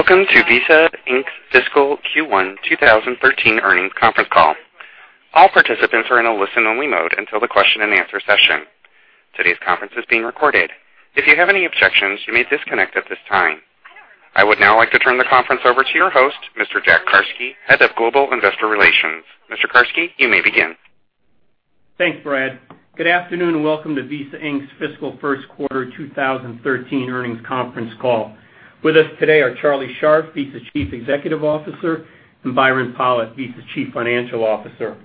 Welcome to Visa Inc.'s Fiscal Q1 2013 Earnings Conference Call. All participants are in a listen-only mode until the question and answer session. Today's conference is being recorded. If you have any objections, you may disconnect at this time. I would now like to turn the conference over to your host, Mr. Jack Carsky, Head of Global Investor Relations. Mr. Carsky, you may begin. Thanks, Brad. Good afternoon, welcome to Visa Inc.'s fiscal first quarter 2013 earnings conference call. With us today are Charlie Scharf, Visa's Chief Executive Officer, and Byron Pollitt, Visa's Chief Financial Officer.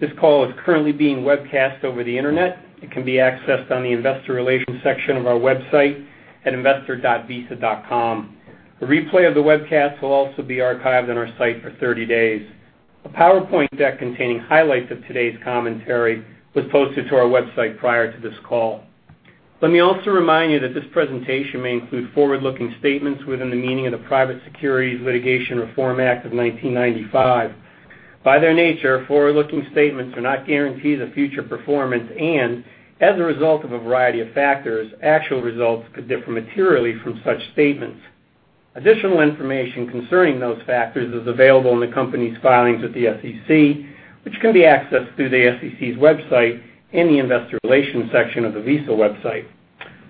This call is currently being webcast over the internet. It can be accessed on the investor relations section of our website at investor.visa.com. A replay of the webcast will also be archived on our site for 30 days. A PowerPoint deck containing highlights of today's commentary was posted to our website prior to this call. Let me also remind you that this presentation may include forward-looking statements within the meaning of the Private Securities Litigation Reform Act of 1995. By their nature, forward-looking statements are not guarantees of future performance, as a result of a variety of factors, actual results could differ materially from such statements. Additional information concerning those factors is available in the company's filings with the SEC, which can be accessed through the SEC's website and the investor relations section of the Visa website.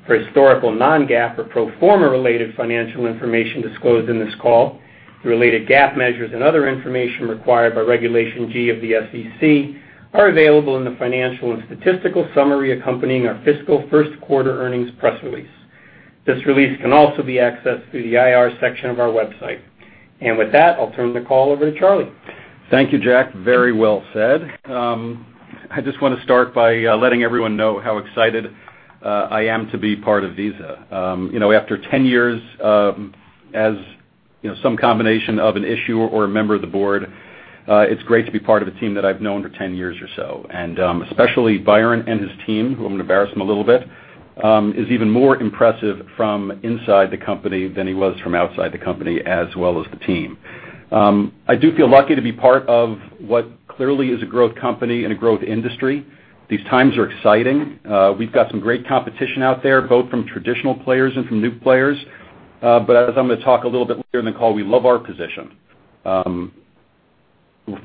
For historical non-GAAP or pro forma related financial information disclosed in this call, the related GAAP measures and other information required by Regulation G of the SEC are available in the financial and statistical summary accompanying our fiscal first-quarter earnings press release. This release can also be accessed through the IR section of our website. With that, I'll turn the call over to Charlie. Thank you, Jack. Very well said. I just want to start by letting everyone know how excited I am to be part of Visa. After 10 years as some combination of an issuer or a member of the board, it's great to be part of a team that I've known for 10 years or so. Especially Byron and his team, who I'm going to embarrass him a little bit, is even more impressive from inside the company than he was from outside the company as well as the team. I do feel lucky to be part of what clearly is a growth company in a growth industry. These times are exciting. We've got some great competition out there, both from traditional players and from new players. As I'm going to talk a little bit later in the call, we love our position.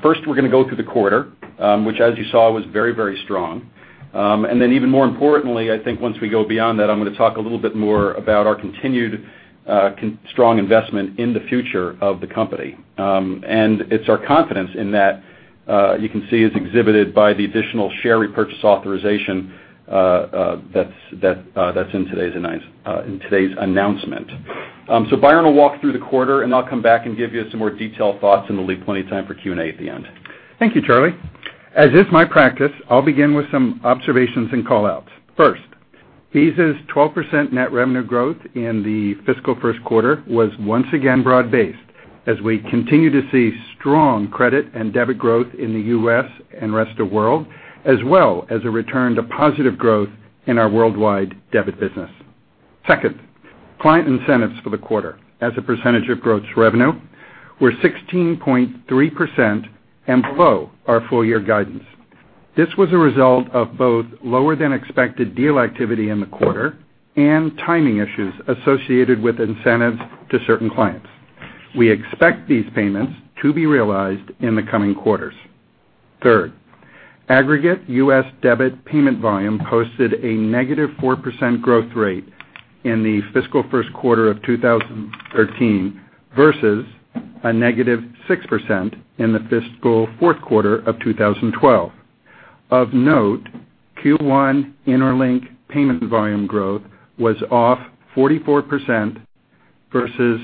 First, we're going to go through the quarter, which as you saw, was very strong. Even more importantly, I think once we go beyond that, I'm going to talk a little bit more about our continued strong investment in the future of the company. It's our confidence in that, you can see is exhibited by the additional share repurchase authorization that's in today's announcement. Byron will walk through the quarter, and I'll come back and give you some more detailed thoughts, and there'll be plenty of time for Q&A at the end. Thank you, Charlie. As is my practice, I'll begin with some observations and call-outs. First, Visa's 12% net revenue growth in the fiscal first quarter was once again broad-based, as we continue to see strong credit and debit growth in the U.S. and rest of world, as well as a return to positive growth in our worldwide debit business. Second, client incentives for the quarter as a percentage of gross revenue were 16.3% and below our full-year guidance. This was a result of both lower than expected deal activity in the quarter and timing issues associated with incentives to certain clients. We expect these payments to be realized in the coming quarters. Third, aggregate U.S. debit payment volume posted a negative 4% growth rate in the fiscal first quarter of 2013 versus a negative 6% in the fiscal fourth quarter of 2012. Of note, Q1 Interlink payment volume growth was off 44% versus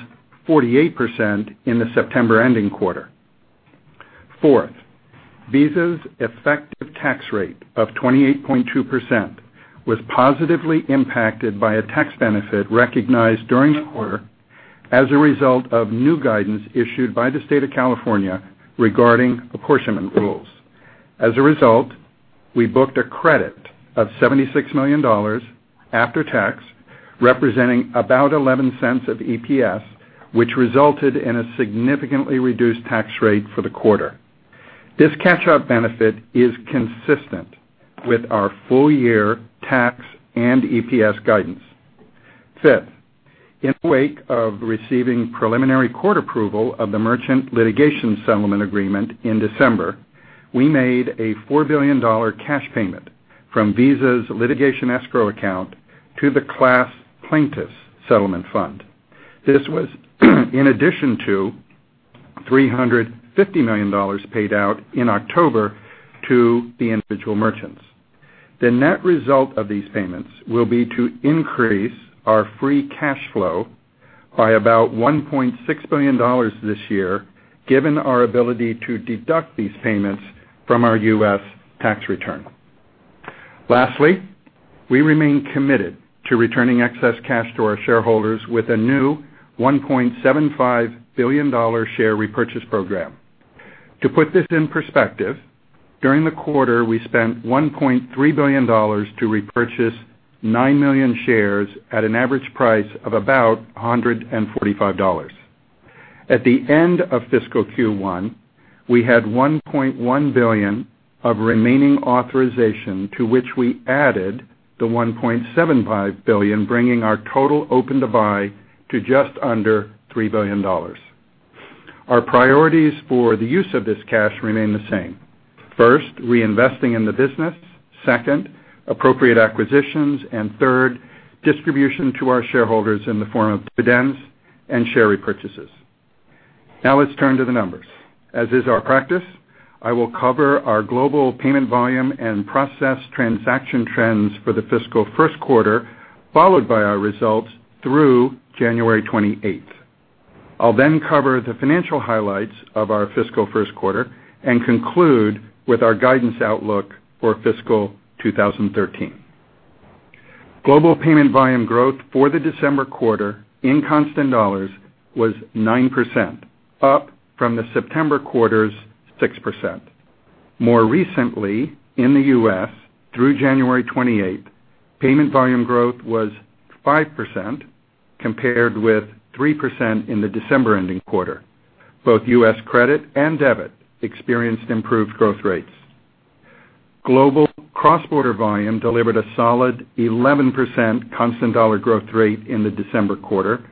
48% in the September-ending quarter. Fourth, Visa's effective tax rate of 28.2% was positively impacted by a tax benefit recognized during the quarter as a result of new guidance issued by the state of California regarding apportionment rules. As a result, we booked a credit of $76 million after tax, representing about $0.11 of EPS, which resulted in a significantly reduced tax rate for the quarter. This catch-up benefit is consistent with our full-year tax and EPS guidance. Fifth, in wake of receiving preliminary court approval of the merchant litigation settlement agreement in December, we made a $4 billion cash payment from Visa's litigation escrow account to the class plaintiffs settlement fund. This was in addition to $350 million paid out in October to the individual merchants. The net result of these payments will be to increase our free cash flow by about $1.6 billion this year, given our ability to deduct these payments from our U.S. tax return. Lastly, we remain committed to returning excess cash to our shareholders with a new $1.75 billion share repurchase program. To put this in perspective, during the quarter, we spent $1.3 billion to repurchase 9 million shares at an average price of about $145. At the end of fiscal Q1, we had $1.1 billion of remaining authorization, to which we added the $1.75 billion, bringing our total open to buy to just under $3 billion. Our priorities for the use of this cash remain the same. First, reinvesting in the business; second, appropriate acquisitions; and third, distribution to our shareholders in the form of dividends and share repurchases. Let's turn to the numbers. As is our practice, I will cover our global payment volume and process transaction trends for the fiscal first quarter, followed by our results through January 28th. I'll then cover the financial highlights of our fiscal first quarter and conclude with our guidance outlook for fiscal 2013. Global payment volume growth for the December quarter in constant dollars was 9%, up from the September quarter's 6%. More recently, in the U.S., through January 28th, payment volume growth was 5%, compared with 3% in the December-ending quarter. Both U.S. credit and debit experienced improved growth rates. Global cross-border volume delivered a solid 11% constant dollar growth rate in the December quarter,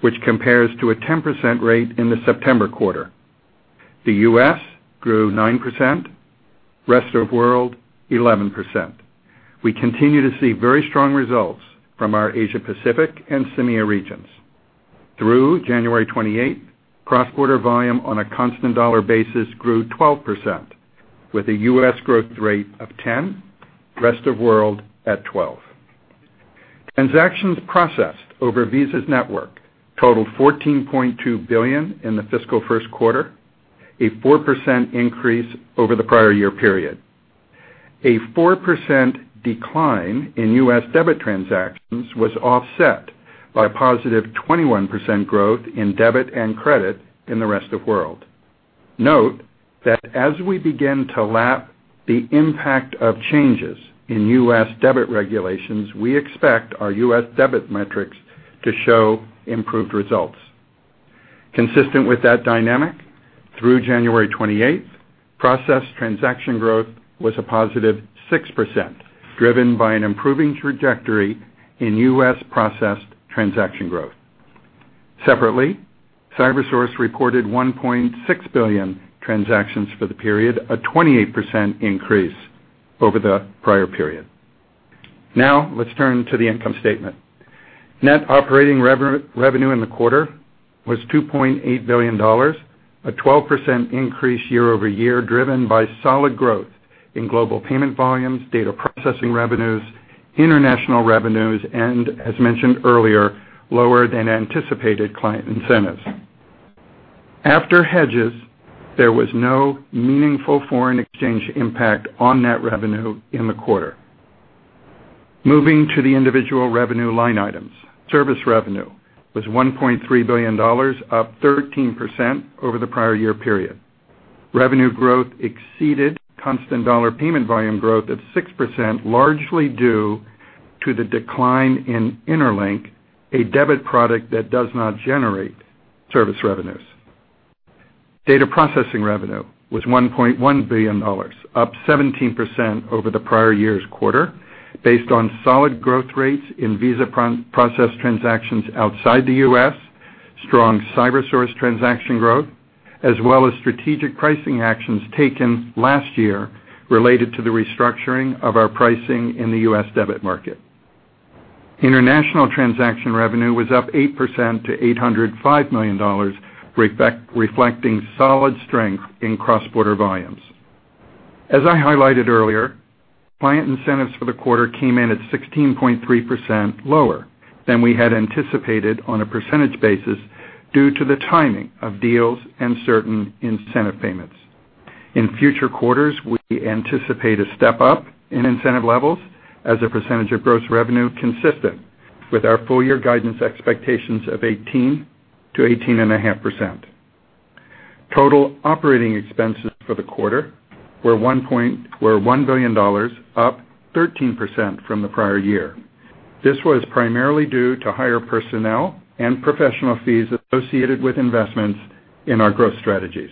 which compares to a 10% rate in the September quarter. The U.S. grew 9%; rest of world, 11%. We continue to see very strong results from our Asia-Pacific and CEMEA regions. Through January 28th, cross-border volume on a constant dollar basis grew 12%, with a U.S. growth rate of 10%, rest of world at 12%. Transactions processed over Visa's network totaled $14.2 billion in the fiscal first quarter, a 4% increase over the prior year period. A 4% decline in U.S. debit transactions was offset by a positive 21% growth in debit and credit in the rest of world. Note that as we begin to lap the impact of changes in U.S. debit regulations, we expect our U.S. debit metrics to show improved results. Consistent with that dynamic, through January 28th, processed transaction growth was a positive 6%, driven by an improving trajectory in U.S. processed transaction growth. Separately, CyberSource recorded 1.6 billion transactions for the period, a 28% increase over the prior period. Let's turn to the income statement. Net operating revenue in the quarter was $2.8 billion, a 12% increase year-over-year, driven by solid growth in global payment volumes, data processing revenues, international revenues, and, as mentioned earlier, lower than anticipated client incentives. After hedges, there was no meaningful foreign exchange impact on net revenue in the quarter. Moving to the individual revenue line items. Service revenue was $1.3 billion, up 13% over the prior year period. Revenue growth exceeded constant dollar payment volume growth of 6%, largely due to the decline in Interlink, a debit product that does not generate service revenues. Data processing revenue was $1.1 billion, up 17% over the prior year's quarter, based on solid growth rates in Visa processed transactions outside the U.S., strong CyberSource transaction growth, as well as strategic pricing actions taken last year related to the restructuring of our pricing in the U.S. debit market. International transaction revenue was up 8% to $805 million, reflecting solid strength in cross-border volumes. As I highlighted earlier, client incentives for the quarter came in at 16.3% lower than we had anticipated on a percentage basis due to the timing of deals and certain incentive payments. In future quarters, we anticipate a step-up in incentive levels as a percentage of gross revenue consistent with our full-year guidance expectations of 18%-18.5%. Total operating expenses for the quarter were $1 billion, up 13% from the prior year. This was primarily due to higher personnel and professional fees associated with investments in our growth strategies.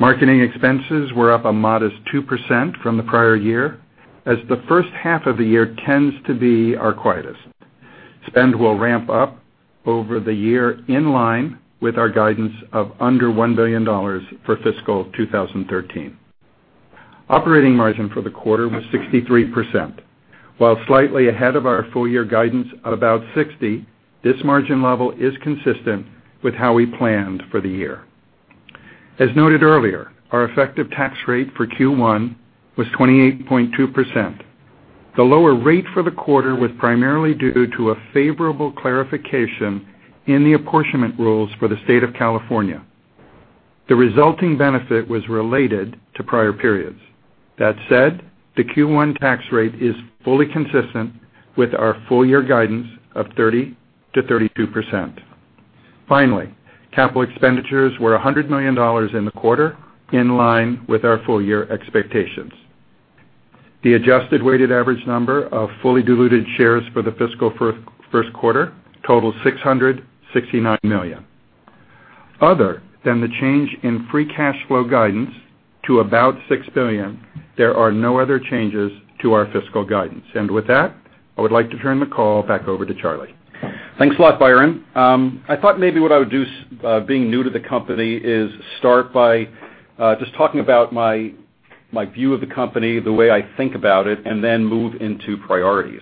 Marketing expenses were up a modest 2% from the prior year, as the first half of the year tends to be our quietest. Spend will ramp up over the year in line with our guidance of under $1 billion for fiscal 2013. Operating margin for the quarter was 63%. While slightly ahead of our full year guidance at about 60%, this margin level is consistent with how we planned for the year. As noted earlier, our effective tax rate for Q1 was 28.2%. The lower rate for the quarter was primarily due to a favorable clarification in the apportionment rules for the state of California. The resulting benefit was related to prior periods. That said, the Q1 tax rate is fully consistent with our full-year guidance of 30%-32%. Finally, capital expenditures were $100 million in the quarter, in line with our full-year expectations. The adjusted weighted average number of fully diluted shares for the fiscal first quarter totals 669 million. Other than the change in free cash flow guidance to about $6 billion, there are no other changes to our fiscal guidance. With that, I would like to turn the call back over to Charlie. Thanks a lot, Byron. I thought maybe what I would do, being new to the company, is start by just talking about my view of the company, the way I think about it, then move into priorities.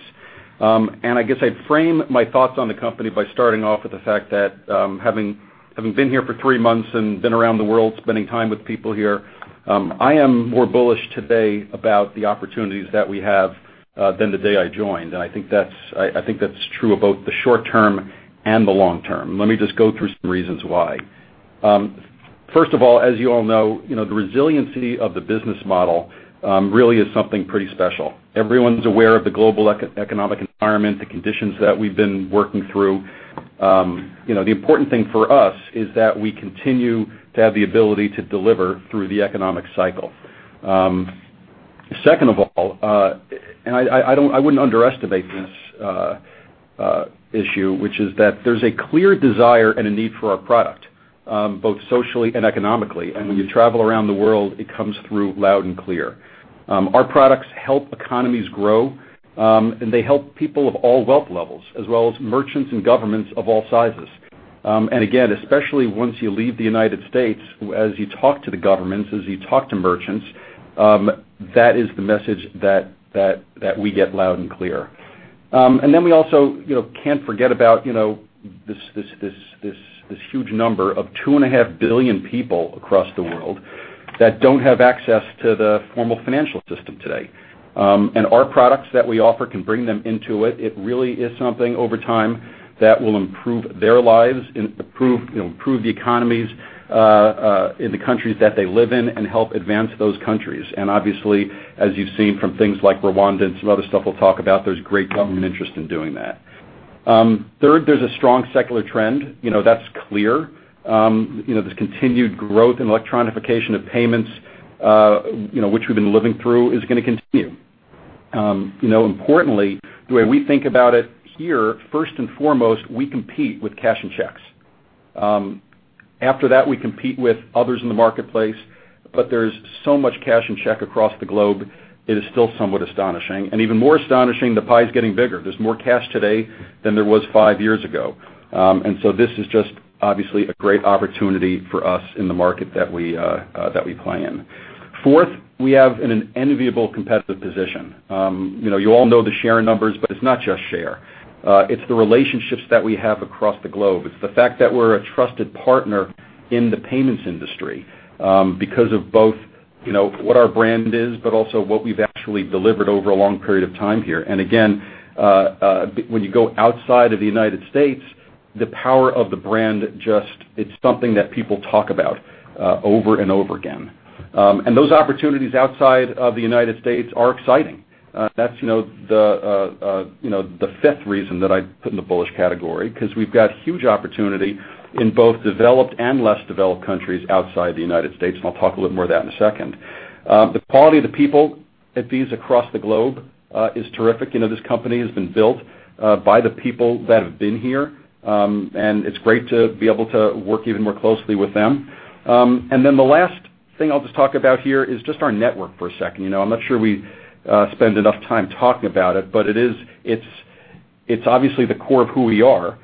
I guess I'd frame my thoughts on the company by starting off with the fact that having been here for three months and been around the world spending time with people here, I am more bullish today about the opportunities that we have than the day I joined. I think that's true about the short term and the long term. Let me just go through some reasons why. First of all, as you all know, the resiliency of the business model really is something pretty special. Everyone's aware of the global economic environment, the conditions that we've been working through. The important thing for us is that we continue to have the ability to deliver through the economic cycle. Second of all, I wouldn't underestimate this issue, which is that there's a clear desire and a need for our product both socially and economically. When you travel around the world, it comes through loud and clear. Our products help economies grow, and they help people of all wealth levels, as well as merchants and governments of all sizes. Again, especially once you leave the U.S., as you talk to the governments, as you talk to merchants, that is the message that we get loud and clear. Then we also can't forget about this huge number of 2.5 billion people across the world that don't have access to the formal financial system today. Our products that we offer can bring them into it. It really is something over time that will improve their lives, improve the economies in the countries that they live in, and help advance those countries. Obviously, as you've seen from things like Rwanda and some other stuff we'll talk about, there's great government interest in doing that. Third, there's a strong secular trend. That's clear. This continued growth in electronification of payments which we've been living through is going to continue. Importantly, the way we think about it here, first and foremost, we compete with cash and checks. After that, we compete with others in the marketplace, but there's so much cash and check across the globe, it is still somewhat astonishing. Even more astonishing, the pie is getting bigger. There's more cash today than there was five years ago. This is just obviously a great opportunity for us in the market that we play in. Fourth, we have an enviable competitive position. You all know the share numbers, but it's not just share. It's the relationships that we have across the globe. It's the fact that we're a trusted partner in the payments industry because of both what our brand is, but also what we've actually delivered over a long period of time here. Again, when you go outside of the U.S., the power of the brand, it's something that people talk about over and over again. Those opportunities outside of the U.S. are exciting. That's the fifth reason that I put in the bullish category because we've got huge opportunity in both developed and less developed countries outside the U.S., I'll talk a little bit more about that in a second. The quality of the people at Visa across the globe is terrific. This company has been built by the people that have been here, and it's great to be able to work even more closely with them. The last thing I'll just talk about here is just our network for a second. I'm not sure we spend enough time talking about it, but it's obviously the core of who we are.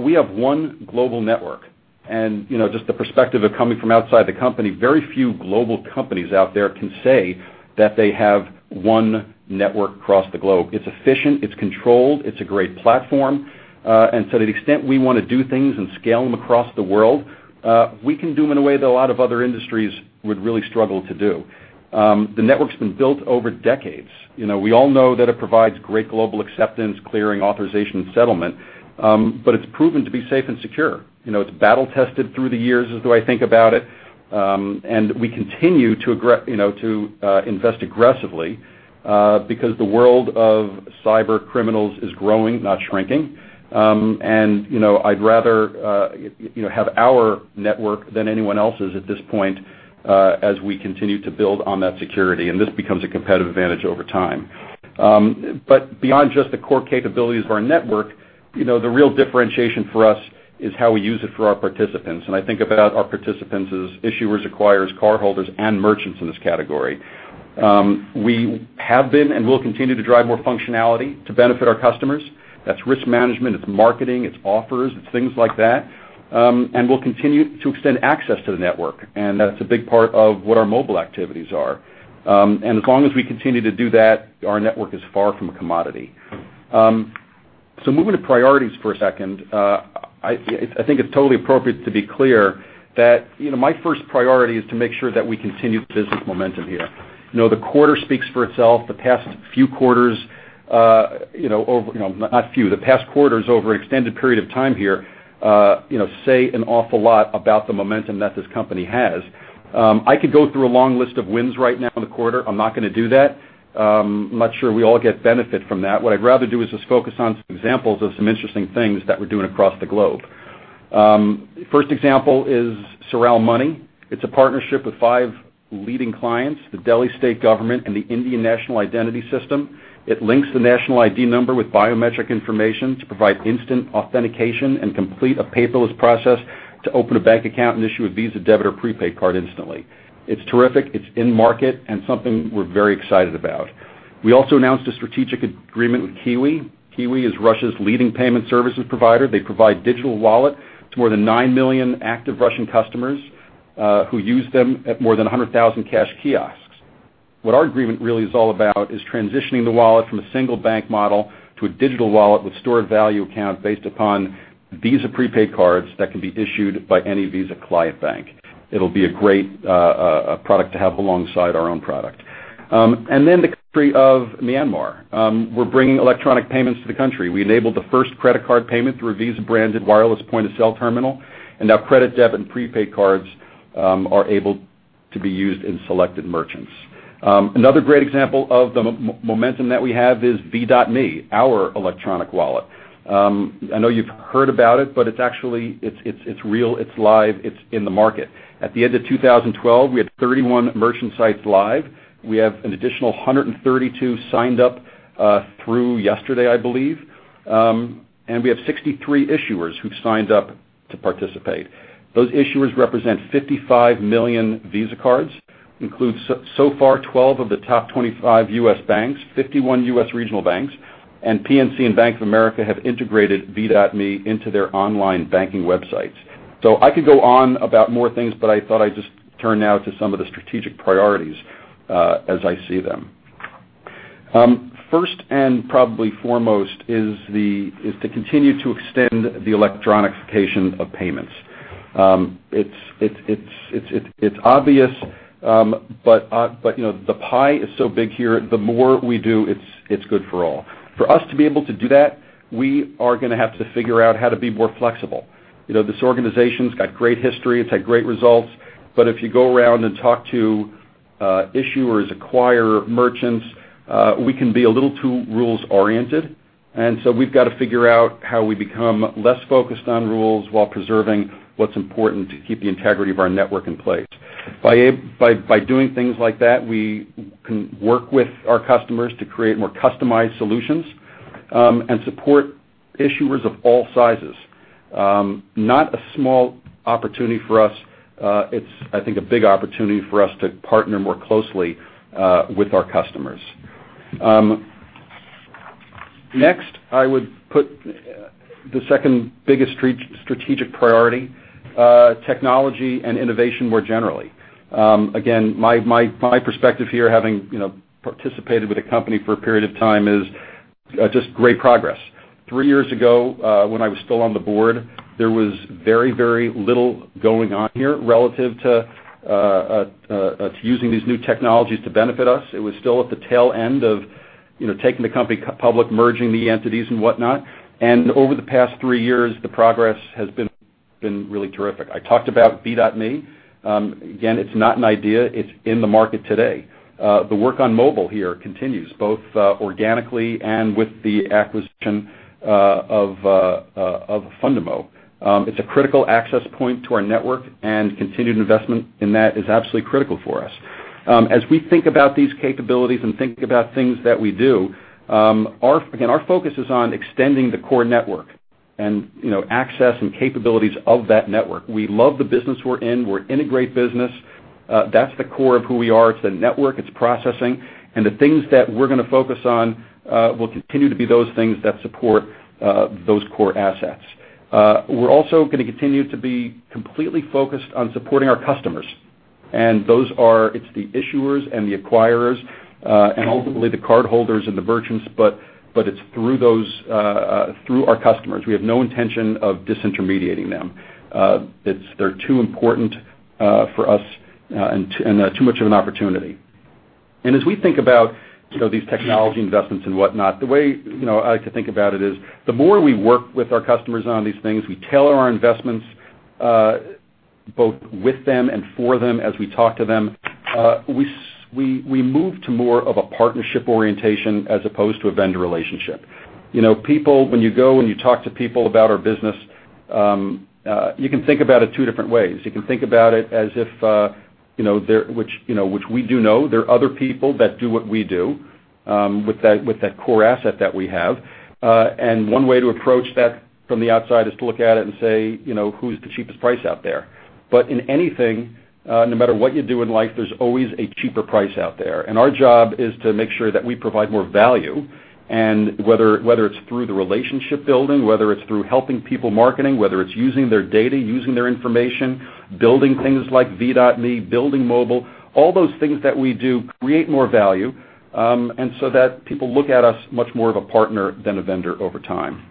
We have one global network and just the perspective of coming from outside the company, very few global companies out there can say that they have one network across the globe. It's efficient, it's controlled, it's a great platform. To the extent we want to do things and scale them across the world, we can do them in a way that a lot of other industries would really struggle to do. The network's been built over decades. We all know that it provides great global acceptance, clearing, authorization, and settlement, but it's proven to be safe and secure. It's battle-tested through the years is the way I think about it. We continue to invest aggressively because the world of cyber criminals is growing, not shrinking. I'd rather have our network than anyone else's at this point as we continue to build on that security, and this becomes a competitive advantage over time. Beyond just the core capabilities of our network, the real differentiation for us is how we use it for our participants. I think about our participants as issuers, acquirers, cardholders, and merchants in this category. We have been and will continue to drive more functionality to benefit our customers. That's risk management, it's marketing, it's offers, it's things like that. We'll continue to extend access to the network, and that's a big part of what our mobile activities are. As long as we continue to do that, our network is far from a commodity. Moving to priorities for a second, I think it's totally appropriate to be clear that my first priority is to make sure that we continue the business momentum here. The quarter speaks for itself. The past quarters over an extended period of time here say an awful lot about the momentum that this company has. I could go through a long list of wins right now in the quarter. I'm not going to do that. I'm not sure we all get benefit from that. What I'd rather do is just focus on some examples of some interesting things that we're doing across the globe. The first example is Saral Money. It's a partnership with five leading clients, the Delhi state government, and the Indian national identity system. It links the national ID number with biometric information to provide instant authentication and complete a paperless process to open a bank account and issue a Visa debit or prepaid card instantly. It's terrific. It's in-market and something we're very excited about. We also announced a strategic agreement with Qiwi. Qiwi is Russia's leading payment services provider. They provide digital wallet to more than nine million active Russian customers who use them at more than 100,000 cash kiosks. What our agreement really is all about is transitioning the wallet from a single bank model to a digital wallet with stored value account based upon Visa prepaid cards that can be issued by any Visa client bank. It'll be a great product to have alongside our own product. Then the country of Myanmar. We're bringing electronic payments to the country. We enabled the first credit card payment through a Visa-branded wireless point-of-sale terminal, and now credit, debit, and prepaid cards are able to be used in selected merchants. Another great example of the momentum that we have is V.me, our electronic wallet. I know you've heard about it, but it's real, it's live, it's in the market. At the end of 2012, we had 31 merchant sites live. We have an additional 132 signed up through yesterday, I believe. We have 63 issuers who've signed up to participate. Those issuers represent 55 million Visa cards, includes so far 12 of the top 25 U.S. banks, 51 U.S. regional banks, and PNC and Bank of America have integrated V.me into their online banking websites. I could go on about more things, but I thought I'd just turn now to some of the strategic priorities as I see them. First and probably foremost is to continue to extend the electronic location of payments. It's obvious, but the pie is so big here, the more we do, it's good for all. For us to be able to do that, we are going to have to figure out how to be more flexible. This organization's got great history, it's had great results, but if you go around and talk to issuers, acquirers, merchants, we can be a little too rules-oriented. We've got to figure out how we become less focused on rules while preserving what's important to keep the integrity of our network in place. By doing things like that, we can work with our customers to create more customized solutions, and support issuers of all sizes. Not a small opportunity for us. It's, I think, a big opportunity for us to partner more closely with our customers. Next, I would put the second-biggest strategic priority, technology and innovation more generally. Again, my perspective here, having participated with the company for a period of time, is just great progress. Three years ago, when I was still on the board, there was very, very little going on here relative to using these new technologies to benefit us. It was still at the tail end of taking the company public, merging the entities, and whatnot. Over the past three years, the progress has been really terrific. I talked about V.me. Again, it's not an idea. It's in the market today. The work on mobile here continues both organically and with the acquisition of Fundamo. It's a critical access point to our network, and continued investment in that is absolutely critical for us. As we think about these capabilities and think about things that we do, again, our focus is on extending the core network and access and capabilities of that network. We love the business we're in. We're in a great business. That's the core of who we are. It's the network, it's processing, and the things that we're going to focus on will continue to be those things that support those core assets. We're also going to continue to be completely focused on supporting our customers. Those are the issuers and the acquirers, and ultimately the cardholders and the merchants, but it's through our customers. We have no intention of disintermediating them. They're too important for us and too much of an opportunity. As we think about these technology investments and whatnot, the way I like to think about it is the more we work with our customers on these things, we tailor our investments both with them and for them as we talk to them, we move to more of a partnership orientation as opposed to a vendor relationship. When you go and you talk to people about our business, you can think about it two different ways. Which we do know, there are other people that do what we do with that core asset that we have. One way to approach that from the outside is to look at it and say, "Who's the cheapest price out there?" In anything, no matter what you do in life, there's always a cheaper price out there, and our job is to make sure that we provide more value. Whether it's through the relationship building, whether it's through helping people marketing, whether it's using their data, using their information, building things like V.me, building mobile, all those things that we do create more value, so that people look at us much more of a partner than a vendor over time.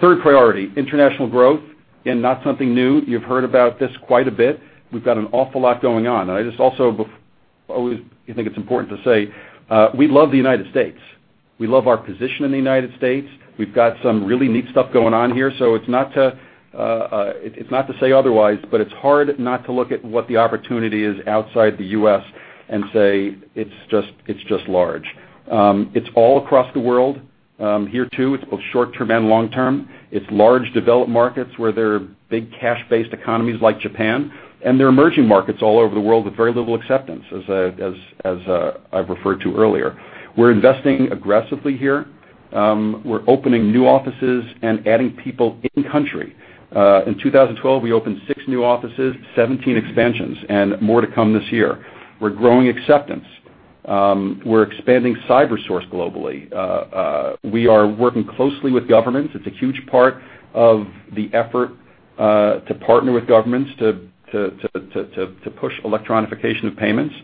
Third priority, international growth, again, not something new. You've heard about this quite a bit. We've got an awful lot going on. I just also always think it's important to say we love the United States. We love our position in the United States. We've got some really neat stuff going on here. It's not to say otherwise, but it's hard not to look at what the opportunity is outside the U.S. and say it's just large. It's all across the world. Here too, it's both short-term and long-term. It's large developed markets where there are big cash-based economies like Japan, and there are emerging markets all over the world with very little acceptance, as I referred to earlier. We're investing aggressively here. We're opening new offices and adding people in-country. In 2012, we opened six new offices, 17 expansions, and more to come this year. We're growing acceptance. We're expanding CyberSource globally. We are working closely with governments. It's a huge part of the effort to partner with governments to push electronification of payments.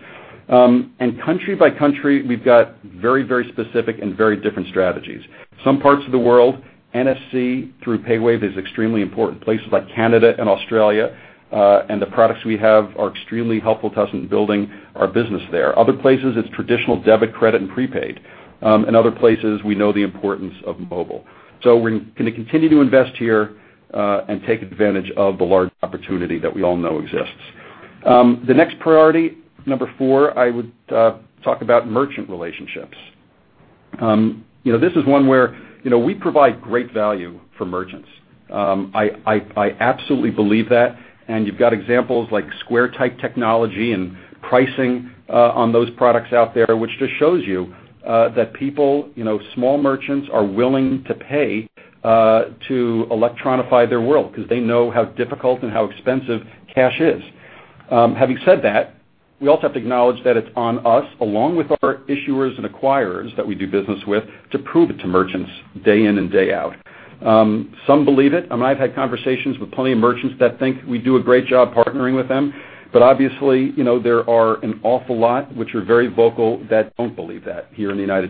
Country by country, we've got very specific and very different strategies. Some parts of the world, NFC through payWave is extremely important. Places like Canada and Australia, the products we have are extremely helpful to us in building our business there. Other places, it's traditional debit, credit, and prepaid. In other places, we know the importance of mobile. We're going to continue to invest here, and take advantage of the large opportunity that we all know exists. The next priority, number 4, I would talk about merchant relationships. This is one where we provide great value for merchants. I absolutely believe that, you've got examples like Square-type technology and pricing on those products out there, which just shows you that people, small merchants, are willing to pay to electronify their world because they know how difficult and how expensive cash is. Having said that, we also have to acknowledge that it's on us, along with our issuers and acquirers that we do business with, to prove it to merchants day in and day out. Some believe it. I've had conversations with plenty of merchants that think we do a great job partnering with them, but obviously, there are an awful lot which are very vocal that don't believe that here in the U.S.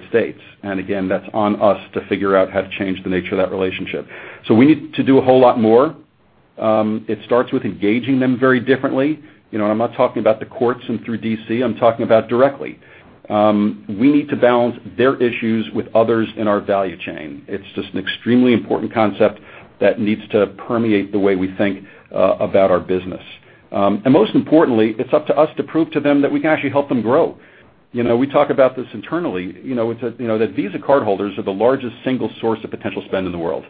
Again, that's on us to figure out how to change the nature of that relationship. We need to do a whole lot more. It starts with engaging them very differently. I'm not talking about the courts and through D.C., I'm talking about directly. We need to balance their issues with others in our value chain. It's just an extremely important concept that needs to permeate the way we think about our business. Most importantly, it's up to us to prove to them that we can actually help them grow. We talk about this internally. That Visa cardholders are the largest single source of potential spend in the world.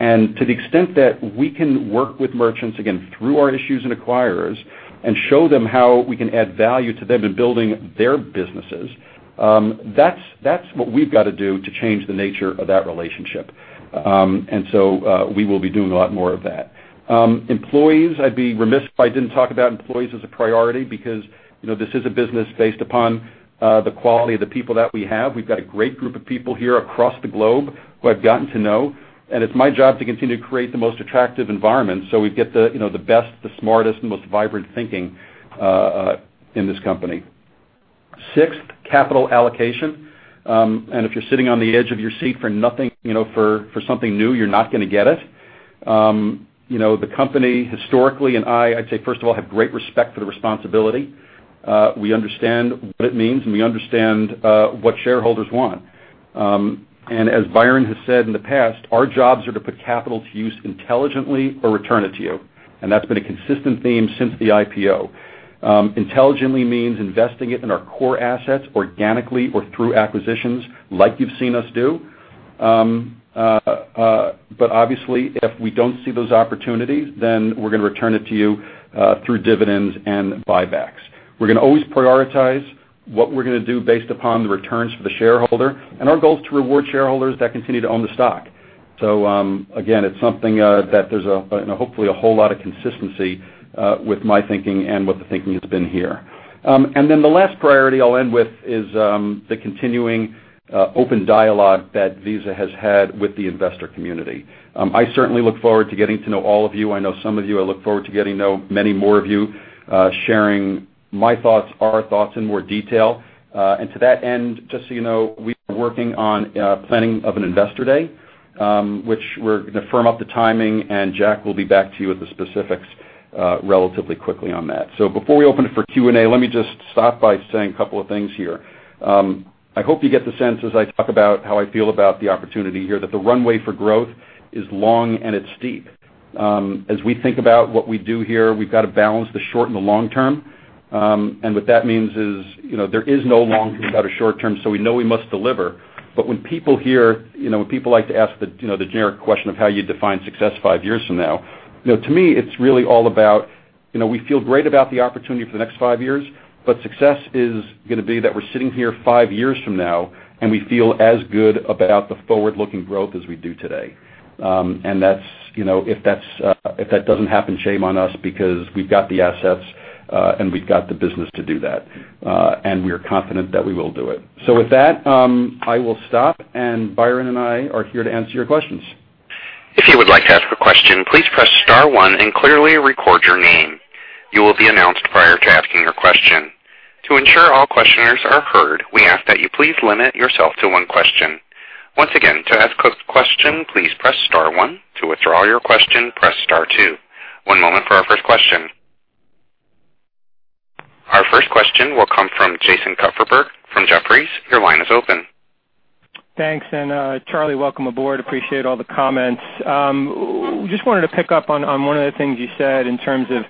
To the extent that we can work with merchants, again, through our issuers and acquirers, and show them how we can add value to them in building their businesses, that's what we've got to do to change the nature of that relationship. We will be doing a lot more of that. Employees, I'd be remiss if I didn't talk about employees as a priority because this is a business based upon the quality of the people that we have. We've got a great group of people here across the globe who I've gotten to know, it's my job to continue to create the most attractive environment so we get the best, the smartest, and most vibrant thinking in this company. Sixth, capital allocation. If you're sitting on the edge of your seat for something new, you're not going to get it. The company historically, and I'd say, first of all, have great respect for the responsibility. We understand what it means, we understand what shareholders want. As Byron has said in the past, our jobs are to put capital to use intelligently or return it to you. That's been a consistent theme since the IPO. Intelligently means investing it in our core assets organically or through acquisitions like you've seen us do. Obviously, if we don't see those opportunities, we're going to return it to you through dividends and buybacks. We're going to always prioritize what we're going to do based upon the returns for the shareholder, and our goal is to reward shareholders that continue to own the stock. Again, it's something that there's hopefully a whole lot of consistency with my thinking and what the thinking has been here. The last priority I'll end with is the continuing open dialogue that Visa has had with the investor community. I certainly look forward to getting to know all of you. I know some of you. I look forward to getting to know many more of you, sharing my thoughts, our thoughts in more detail. To that end, just so you know, we are working on planning of an investor day, which we're going to firm up the timing, and Jack will be back to you with the specifics relatively quickly on that. Before we open it for Q&A, let me just stop by saying a couple of things here. I hope you get the sense as I talk about how I feel about the opportunity here, that the runway for growth is long and it's steep. As we think about what we do here, we've got to balance the short and the long term. What that means is there is no long term without a short term, so we know we must deliver. When people hear, when people like to ask the generic question of how you define success five years from now, to me, it's really all about we feel great about the opportunity for the next five years, but success is going to be that we're sitting here five years from now, and we feel as good about the forward-looking growth as we do today. If that doesn't happen, shame on us because we've got the assets, and we've got the business to do that. We are confident that we will do it. With that, I will stop and Byron and I are here to answer your questions. If you would like to ask a question, please press star one and clearly record your name. You will be announced prior to asking your question. To ensure all questioners are heard, we ask that you please limit yourself to one question. Once again, to ask a question, please press star one. To withdraw your question, press star two. One moment for our first question. Our first question will come from Jason Kupferberg Thanks. Charlie, welcome aboard. Appreciate all the comments. Just wanted to pick up on one of the things you said in terms of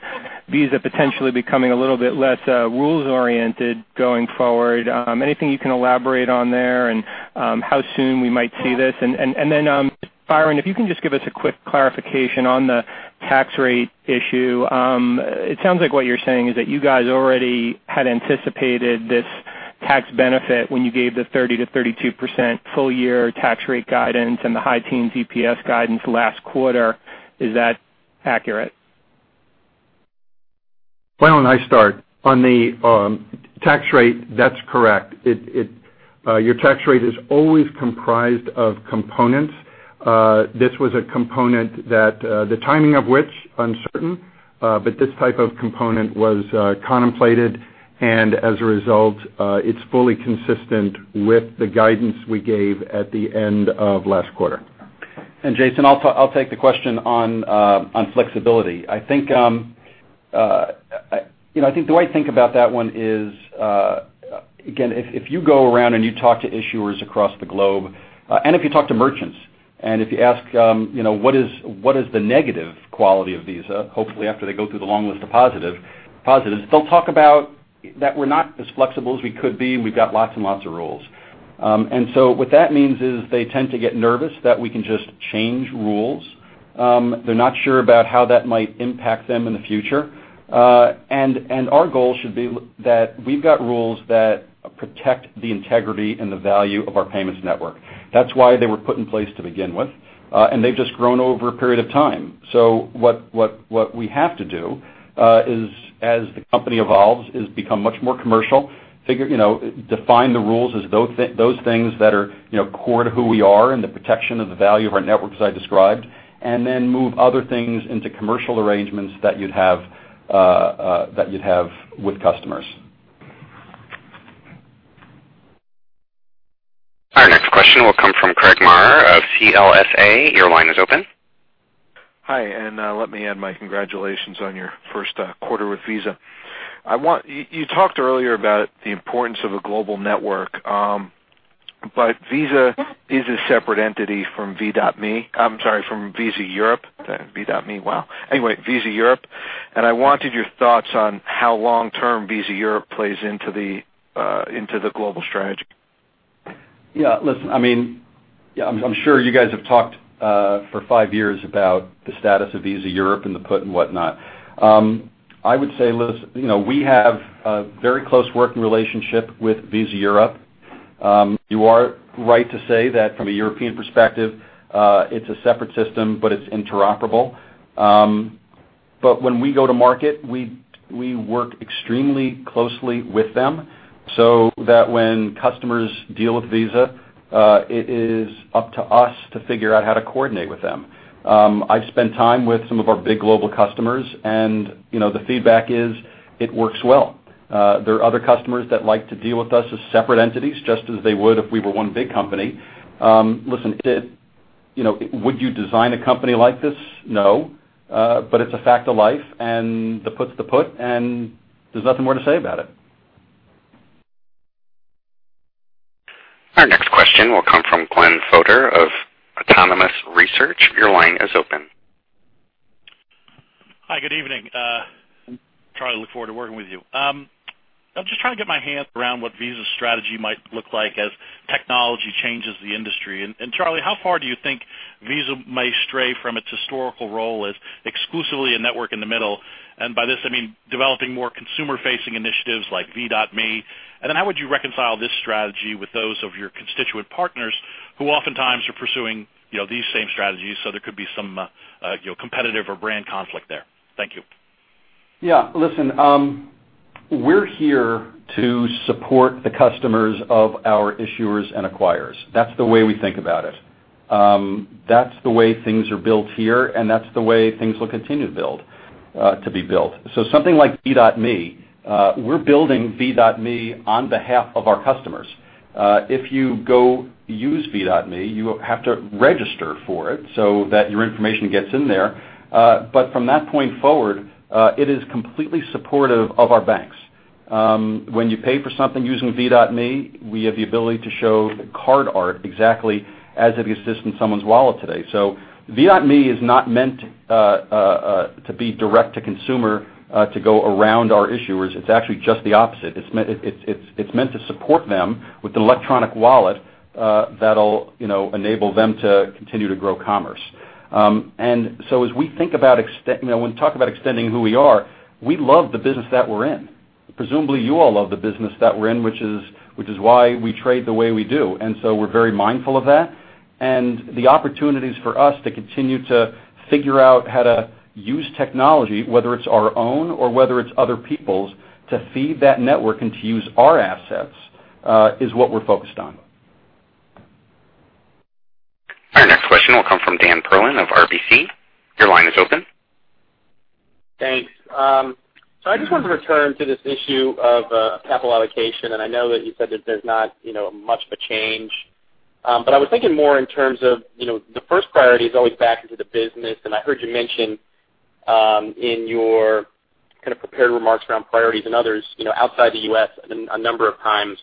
Visa potentially becoming a little bit less rules-oriented going forward. Anything you can elaborate on there and how soon we might see this? Then Byron, if you can just give us a quick clarification on the tax rate issue. It sounds like what you're saying is that you guys already had anticipated this tax benefit when you gave the 30%-32% full-year tax rate guidance and the high teens EPS guidance last quarter. Is that accurate? Byron, I start. On the tax rate, that's correct. Your tax rate is always comprised of components. This was a component that the timing of which uncertain, but this type of component was contemplated and as a result, it's fully consistent with the guidance we gave at the end of last quarter. Jason, I'll take the question on flexibility. I think the way I think about that one is again, if you go around and you talk to issuers across the globe, and if you talk to merchants, and if you ask what is the negative quality of Visa, hopefully after they go through the long list of positives, they'll talk about that we're not as flexible as we could be, and we've got lots and lots of rules. So what that means is they tend to get nervous that we can just change rules. They're not sure about how that might impact them in the future. Our goal should be that we've got rules that protect the integrity and the value of our payments network. That's why they were put in place to begin with. They've just grown over a period of time. What we have to do, is as the company evolves, become much more commercial, define the rules as those things that are core to who we are and the protection of the value of our network, as I described, and then move other things into commercial arrangements that you'd have with customers. Our next question will come from Craig Maurer of CLSA. Your line is open. Hi, let me add my congratulations on your first quarter with Visa. You talked earlier about the importance of a global network. Visa is a separate entity from Visa Europe. I wanted your thoughts on how long-term Visa Europe plays into the global strategy. Yeah. Listen, I'm sure you guys have talked for five years about the status of Visa Europe and the put and whatnot. I would say, we have a very close working relationship with Visa Europe. You are right to say that from a European perspective, it's a separate system, but it's interoperable. When we go to market, we work extremely closely with them, so that when customers deal with Visa, it is up to us to figure out how to coordinate with them. I've spent time with some of our big global customers, and the feedback is it works well. There are other customers that like to deal with us as separate entities, just as they would if we were one big company. Listen, would you design a company like this? No. It's a fact of life, and the put's the put, and there's nothing more to say about it. Our next question will come from Glenn Fodor of Autonomous Research. Your line is open. Hi, good evening. Charlie, look forward to working with you. I'm just trying to get my hands around what Visa's strategy might look like as technology changes the industry. Charlie, how far do you think Visa may stray from its historical role as exclusively a network in the middle? By this, I mean developing more consumer-facing initiatives like V.me. Then how would you reconcile this strategy with those of your constituent partners who oftentimes are pursuing these same strategies, so there could be some competitive or brand conflict there? Thank you. Yeah. Listen, we're here to support the customers of our issuers and acquirers. That's the way we think about it. That's the way things are built here, and that's the way things will continue to be built. Something like V.me, we're building V.me on behalf of our customers. If you go use V.me, you have to register for it so that your information gets in there. From that point forward, it is completely supportive of our banks. When you pay for something using V.me, we have the ability to show card art exactly as it exists in someone's wallet today. V.me is not meant to be direct to consumer to go around our issuers. It's actually just the opposite. It's meant to support them with the electronic wallet that'll enable them to continue to grow commerce. As we talk about extending who we are, we love the business that we're in. Presumably, you all love the business that we're in, which is why we trade the way we do. We're very mindful of that. The opportunities for us to continue to figure out how to use technology, whether it's our own or whether it's other people's, to feed that network and to use our assets, is what we're focused on. Our next question will come from Dan Perlin of RBC. Your line is open. Thanks. I just wanted to return to this issue of capital allocation, and I know that you said that there's not much of a change. I was thinking more in terms of the first priority is always back into the business. I heard you mention in your kind of prepared remarks around priorities and others outside the U.S. a number of times.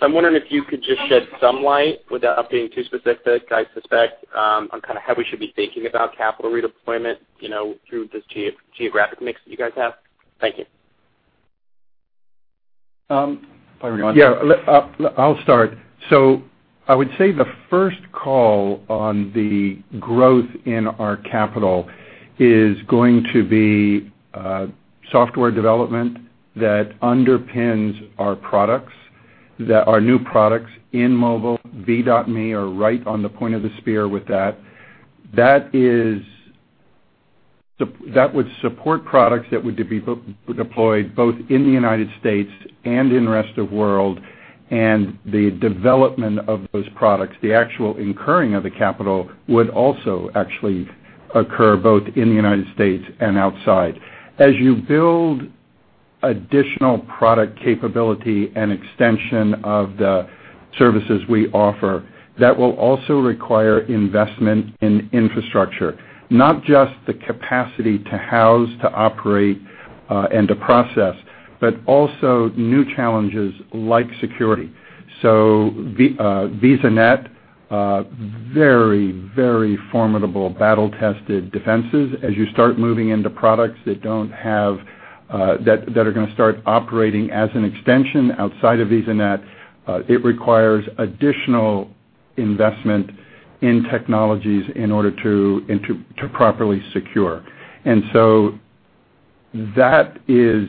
I'm wondering if you could just shed some light without being too specific, I suspect, on kind of how we should be thinking about capital redeployment through this geographic mix that you guys have. Thank you. Byron, you want to- I'll start. I would say the first call on the growth in our capital is going to be software development that underpins our products, our new products in mobile, V.me are right on the point of the spear with that. That would support products that would be deployed both in the United States and in rest of world. The development of those products, the actual incurring of the capital would also actually occur both in the United States and outside. As you build additional product capability and extension of the services we offer, that will also require investment in infrastructure, not just the capacity to house, to operate, and to process, but also new challenges like security. VisaNet, very, very formidable battle-tested defenses. As you start moving into products that are going to start operating as an extension outside of VisaNet, it requires additional investment in technologies in order to properly secure. That is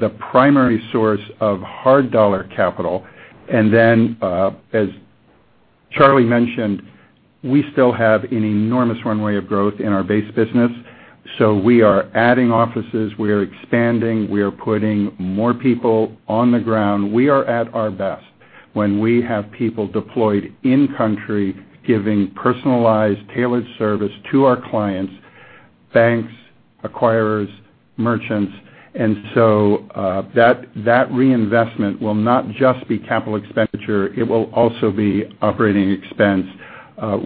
the primary source of hard dollar capital. Then, as Charlie mentioned, we still have an enormous runway of growth in our base business. We are adding offices, we are expanding, we are putting more people on the ground. We are at our best when we have people deployed in country giving personalized, tailored service to our clients, banks, acquirers, merchants. That reinvestment will not just be capital expenditure, it will also be operating expense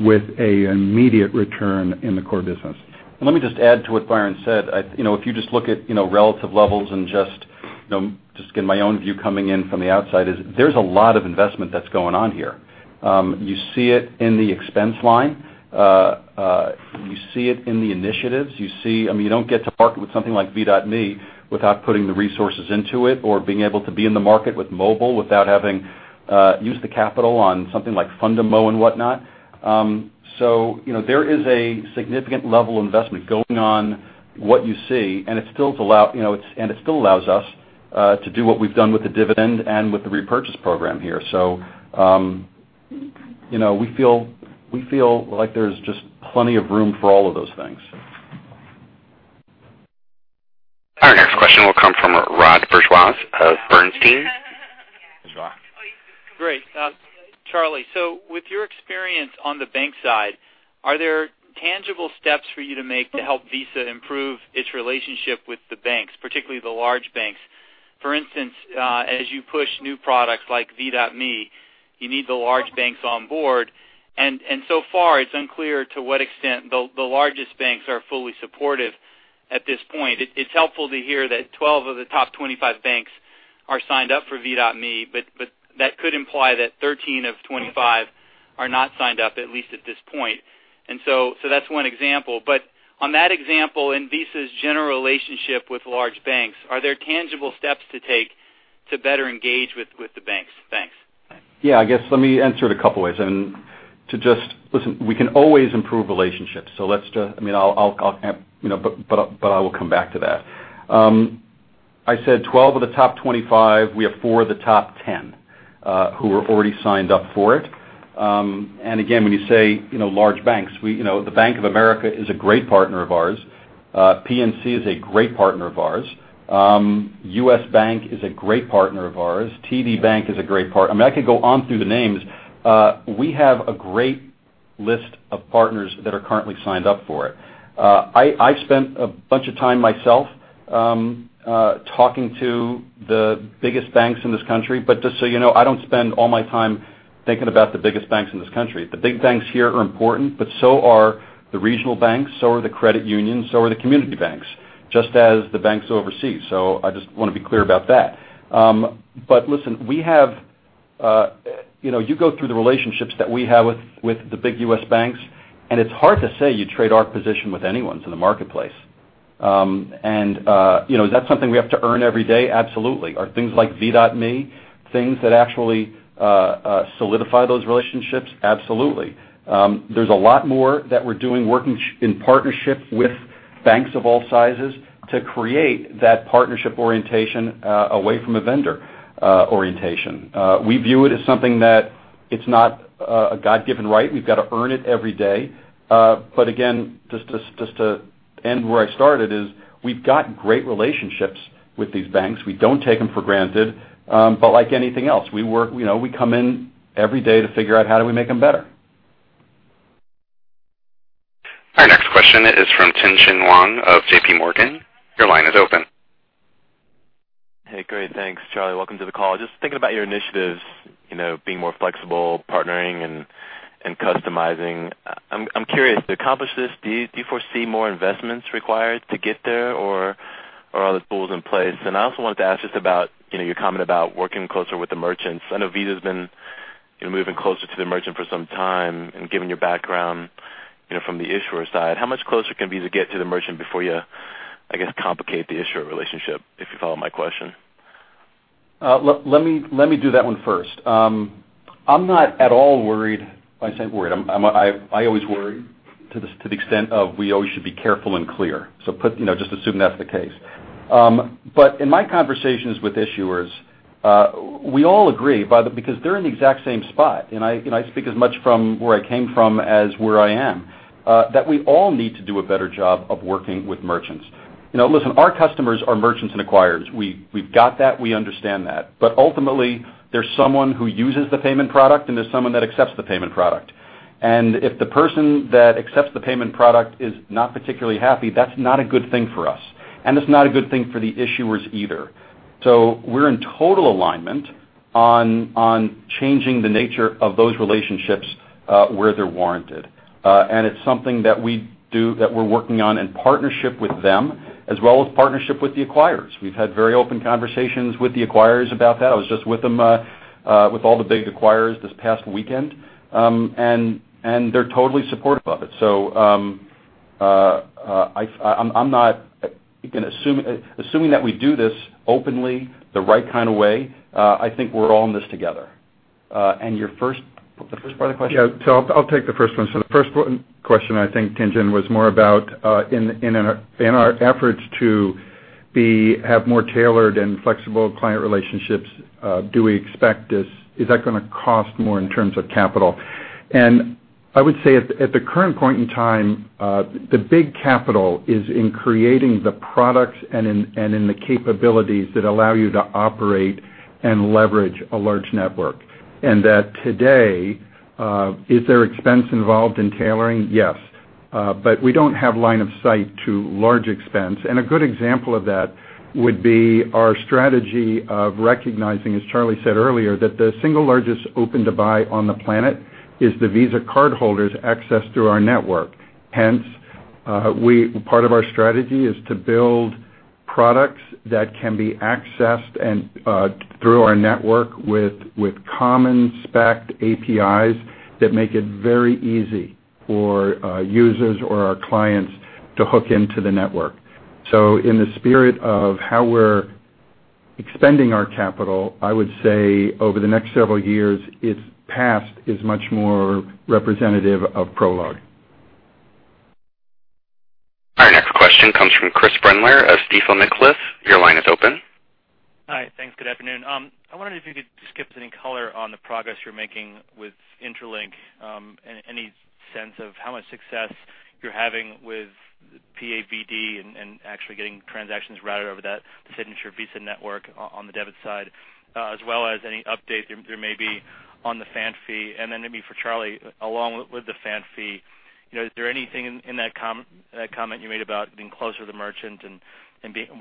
with an immediate return in the core business. Let me just add to what Byron said. If you just look at relative levels and just get my own view coming in from the outside is there's a lot of investment that's going on here. You see it in the expense line. You see it in the initiatives. You don't get to market with something like V.me without putting the resources into it or being able to be in the market with mobile without having used the capital on something like Fundamo and whatnot. There is a significant level of investment going on what you see, and it still allows us to do what we've done with the dividend and with the repurchase program here. We feel like there's just plenty of room for all of those things. Our next question will come from Rod Bourgeois of Bernstein. Bourgeois. Great. Charlie, with your experience on the bank side, are there tangible steps for you to make to help Visa improve its relationship with the banks, particularly the large banks? For instance, as you push new products like V.me, you need the large banks on board, and so far it's unclear to what extent the largest banks are fully supportive at this point. It's helpful to hear that 12 of the top 25 banks are signed up for V.me, but that could imply that 13 of 25 are not signed up, at least at this point. That's one example. On that example, in Visa's general relationship with large banks, are there tangible steps to take to better engage with the banks? Thanks. I guess let me answer it a couple ways. Listen, we can always improve relationships. I will come back to that. I said 12 of the top 25, we have four of the top 10 who are already signed up for it. Again, when you say large banks, the Bank of America is a great partner of ours. PNC is a great partner of ours. U.S. Bank is a great partner of ours. TD Bank is a great partner. I could go on through the names. We have a great list of partners that are currently signed up for it. I've spent a bunch of time myself talking to the biggest banks in this country, but just so you know, I don't spend all my time thinking about the biggest banks in this country. The big banks here are important, so are the regional banks, so are the credit unions, so are the community banks, just as the banks overseas. I just want to be clear about that. Listen, you go through the relationships that we have with the big U.S. banks, it's hard to say you trade our position with anyone's in the marketplace. Is that something we have to earn every day? Absolutely. Are things like V.me things that actually solidify those relationships? Absolutely. There's a lot more that we're doing working in partnership with banks of all sizes to create that partnership orientation away from a vendor orientation. We view it as something that it's not a God-given right. We've got to earn it every day. Again, just to end where I started is we've got great relationships with these banks. We don't take them for granted. Like anything else, we come in every day to figure out how do we make them better. Question is from Tien-Tsin Huang of JPMorgan. Your line is open. Hey, great. Thanks, Charlie Scharf. Welcome to the call. Just thinking about your initiatives, being more flexible, partnering, and customizing. I'm curious, to accomplish this, do you foresee more investments required to get there, or are the tools in place? I also wanted to ask just about your comment about working closer with the merchants. I know Visa's been moving closer to the merchant for some time, given your background from the issuer side, how much closer can Visa get to the merchant before you, I guess, complicate the issuer relationship, if you follow my question? Let me do that one first. I'm not at all worried. When I say worried, I always worry to the extent of we always should be careful and clear. Just assume that's the case. In my conversations with issuers, we all agree because they're in the exact same spot, and I speak as much from where I came from as where I am, that we all need to do a better job of working with merchants. Listen, our customers are merchants and acquirers. We've got that. We understand that. Ultimately, there's someone who uses the payment product, and there's someone that accepts the payment product. If the person that accepts the payment product is not particularly happy, that's not a good thing for us. It's not a good thing for the issuers either. We're in total alignment on changing the nature of those relationships where they're warranted. It's something that we're working on in partnership with them, as well as partnership with the acquirers. We've had very open conversations with the acquirers about that. I was just with them, with all the big acquirers this past weekend, they're totally supportive of it. Assuming that we do this openly, the right kind of way, I think we're all in this together. The first part of the question? Yeah. I'll take the first one. The first question I think, Tien-Tsin Huang, was more about in our efforts to have more tailored and flexible client relationships, do we expect this, is that going to cost more in terms of capital? I would say at the current point in time, the big capital is in creating the products and in the capabilities that allow you to operate and leverage a large network. That today, is there expense involved in tailoring? Yes. We don't have line of sight to large expense. A good example of that would be our strategy of recognizing, as Charlie said earlier, that the single largest open to buy on the planet is the Visa cardholders access through our network. Hence, part of our strategy is to build products that can be accessed through our network with common spec APIs that make it very easy for users or our clients to hook into the network. In the spirit of how we're expending our capital, I would say over the next several years, its past is much more representative of prologue. Our next question comes from Chris Brendler of Stifel Nicolaus. Your line is open. Hi. Thanks. Good afternoon. I wonder if you could just give us any color on the progress you're making with Interlink, any sense of how much success you're having with PAVD and actually getting transactions routed over that signature Visa network on the debit side, as well as any update there may be on the FANF fee. Then maybe for Charlie, along with the FANF fee, is there anything in that comment you made about getting closer to the merchant and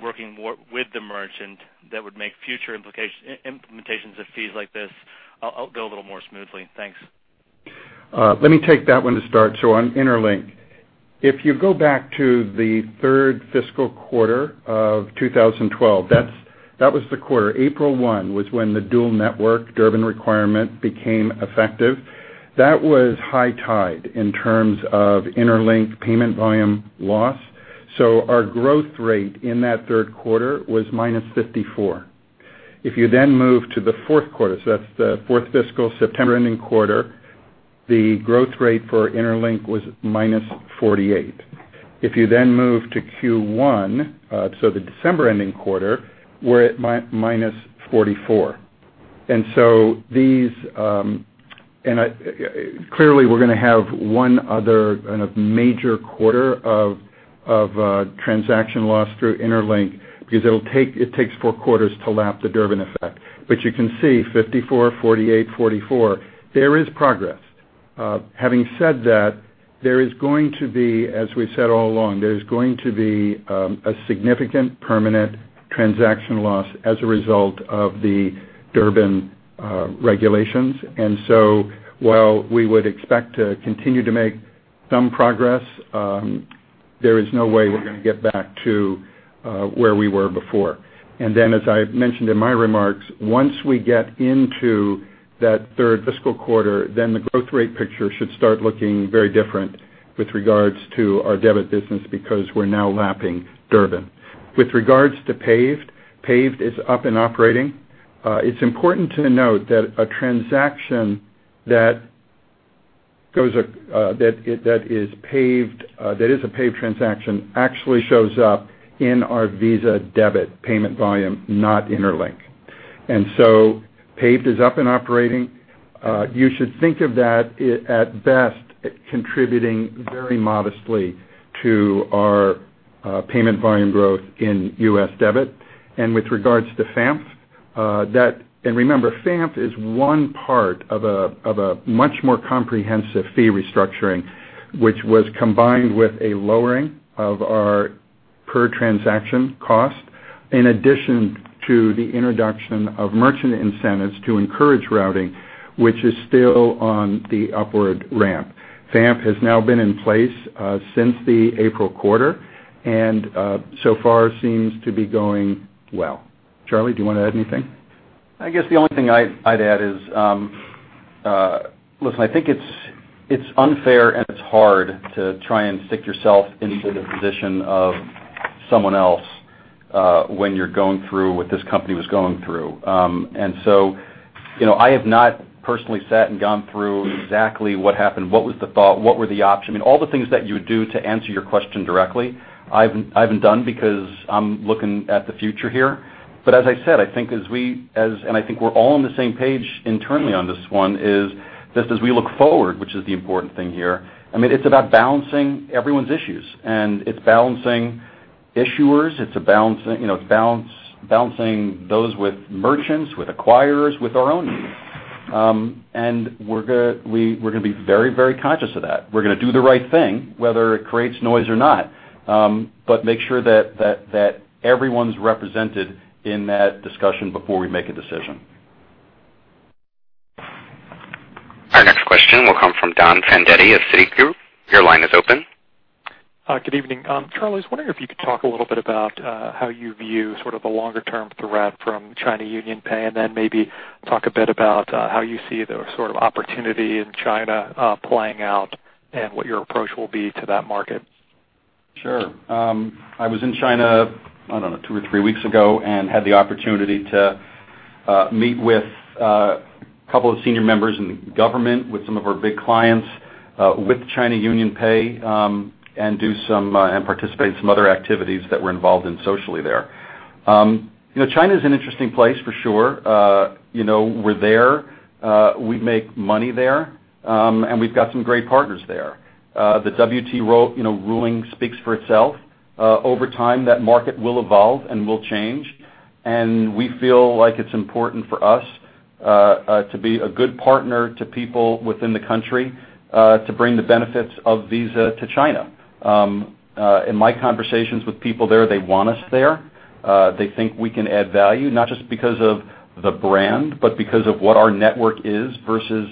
working more with the merchant that would make future implementations of fees like this go a little more smoothly? Thanks. Let me take that one to start. On Interlink, if you go back to the third fiscal quarter of 2012, that was the quarter. April 1 was when the dual network Durbin requirement became effective. That was high tide in terms of Interlink payment volume loss. Our growth rate in that third quarter was -54%. If you then move to the fourth quarter, that's the fourth fiscal September-ending quarter, the growth rate for Interlink was -48%. If you then move to Q1, the December-ending quarter, we're at -44%. Clearly, we're going to have one other major quarter of transaction loss through Interlink because it takes four quarters to lap the Durbin effect. You can see 54%, 48%, 44%. There is progress. Having said that, as we said all along, there is going to be a significant permanent transaction loss as a result of the Durbin regulations. While we would expect to continue to make some progress, there is no way we're going to get back to where we were before. As I mentioned in my remarks, once we get into that third fiscal quarter, the growth rate picture should start looking very different with regards to our debit business because we're now lapping Durbin. With regards to PAVD is up and operating. It's important to note that a transaction that is a PAVD transaction actually shows up in our Visa debit payment volume, not Interlink. PAVD is up and operating. You should think of that at best contributing very modestly to our payment volume growth in U.S. debit. With regards to FANF Remember, FANF is one part of a much more comprehensive fee restructuring, which was combined with a lowering of our per transaction cost, in addition to the introduction of merchant incentives to encourage routing, which is still on the upward ramp. FANF has now been in place since the April quarter, and so far seems to be going well. Charlie, do you want to add anything? I guess the only thing I'd add is, listen, I think it's unfair and it's hard to try and stick yourself into the position of someone else when you're going through what this company was going through. I have not personally sat and gone through exactly what happened, what was the thought, what were the options. I mean, all the things that you would do to answer your question directly, I haven't done because I'm looking at the future here. As I said, and I think we're all on the same page internally on this one is, just as we look forward, which is the important thing here, it's about balancing everyone's issues. It's balancing issuers, it's balancing those with merchants, with acquirers, with our own needs. We're going to be very conscious of that. We're going to do the right thing, whether it creates noise or not, but make sure that everyone's represented in that discussion before we make a decision. Our next question will come from Don Fandetti of Citigroup. Your line is open. Good evening. Charlie, I was wondering if you could talk a little bit about how you view sort of a longer term threat from China UnionPay, and then maybe talk a bit about how you see the sort of opportunity in China playing out and what your approach will be to that market. Sure. I was in China, I don't know, two or three weeks ago and had the opportunity to meet with a couple of senior members in the government, with some of our big clients, with China UnionPay, and participate in some other activities that were involved in socially there. China's an interesting place for sure. We're there. We make money there. We've got some great partners there. The WTO ruling speaks for itself. Over time, that market will evolve and will change. We feel like it's important for us to be a good partner to people within the country to bring the benefits of Visa to China. In my conversations with people there, they want us there. They think we can add value, not just because of the brand, but because of what our network is versus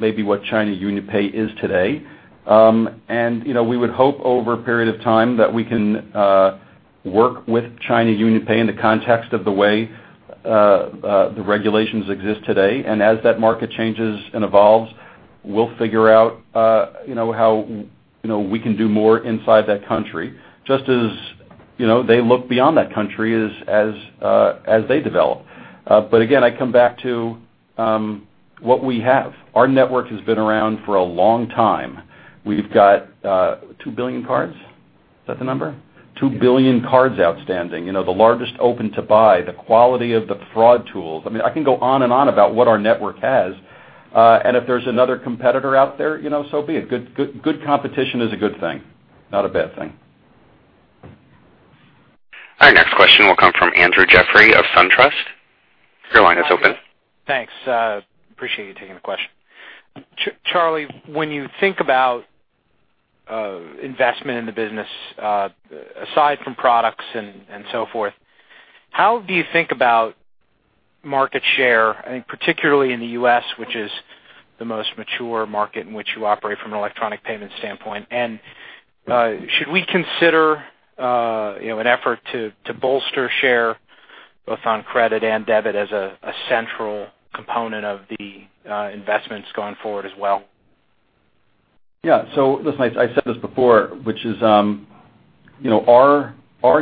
maybe what China UnionPay is today. We would hope over a period of time that we can work with China UnionPay in the context of the way the regulations exist today. As that market changes and evolves, we'll figure out how we can do more inside that country, just as they look beyond that country as they develop. Again, I come back to what we have. Our network has been around for a long time. We've got 2 billion cards. Is that the number? 2 billion cards outstanding. The largest open to buy, the quality of the fraud tools. I can go on and on about what our network has. If there's another competitor out there, so be it. Good competition is a good thing, not a bad thing. Our next question will come from Andrew Jeffrey of SunTrust. Your line is open. Thanks. Appreciate you taking the question. Charlie, when you think about investment in the business, aside from products and so forth, how do you think about market share, I think particularly in the U.S., which is the most mature market in which you operate from an electronic payment standpoint? Should we consider an effort to bolster share both on credit and debit as a central component of the investments going forward as well? Yeah. Listen, I said this before, which is our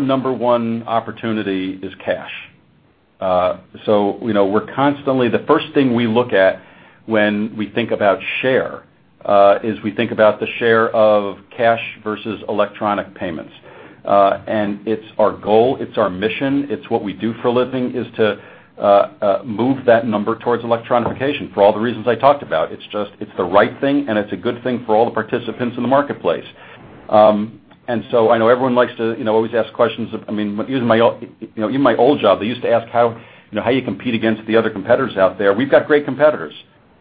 number 1 opportunity is cash. The first thing we look at when we think about share is we think about the share of cash versus electronic payments. It's our goal, it's our mission, it's what we do for a living, is to move that number towards electronification for all the reasons I talked about. It's the right thing and it's a good thing for all the participants in the marketplace. I know everyone likes to always ask questions. Even my old job, they used to ask, "How you compete against the other competitors out there?" We've got great competitors.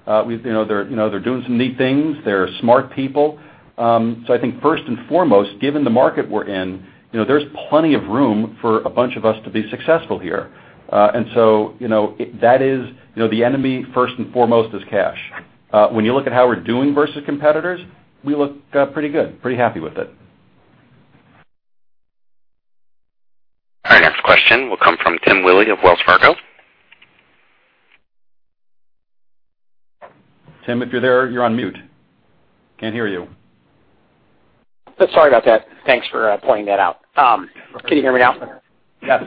They're doing some neat things. They're smart people. I think first and foremost, given the market we're in, there's plenty of room for a bunch of us to be successful here. The enemy, first and foremost, is cash. When you look at how we're doing versus competitors, we look pretty good. Pretty happy with it. Our next question will come from Tim Willi of Wells Fargo. Tim, if you're there, you're on mute. Can't hear you. Sorry about that. Thanks for pointing that out. Can you hear me now? Yes.